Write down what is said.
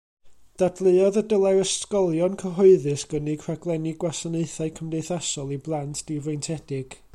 Dadleuodd y dylai'r ysgolion cyhoeddus gynnig rhaglenni gwasanaethau cymdeithasol i blant difreintiedig.